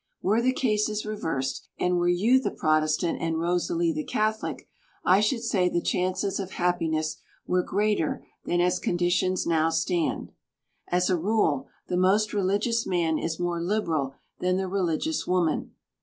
Were the cases reversed, and were you the Protestant and Rosalie the Catholic, I should say the chances of happiness were greater than as conditions now stand. As a rule, the most religious man is more liberal than the religious woman.